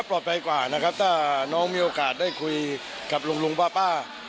ปลอดภัยกว่านะครับถ้าน้องมีโอกาสได้คุยกับลุงลุงป้า